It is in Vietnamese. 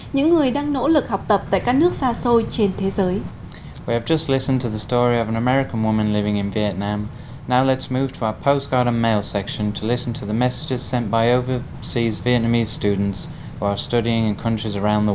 những người đang nỗ lực học tập tại các nước xa xôi trên thế giới